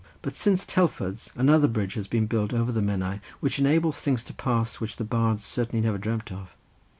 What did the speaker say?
But since Telford's another bridge has been built over the Menai, which enables things to pass which the bard certainly never dreamt of.